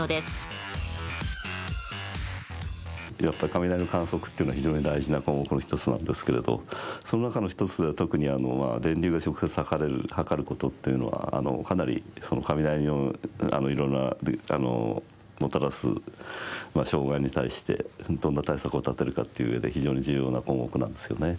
雷の観測っていうのは非常に大事な項目の１つなんですけどその中の１つで特に電流が直接測れるっていうのはかなり雷のもたらす障害に対してどんな対策を立てるかという上で非常に重要な項目なんですよね。